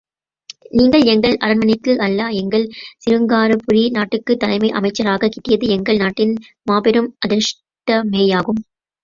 நீங்கள், எங்கள் அரண்மனைக்கு அல்ல, எங்கள் சிருங்காரபுரி நாட்டுக்குத் தலைமை அமைச்சராகக் கிட்டியது எங்கள் நாட்டின் மாபெரும் அதிர்ஷ்டமேயாகும்!